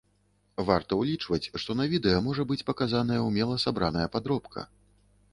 Варта ўлічваць, што на відэа можа быць паказаная ўмела сабраная падробка.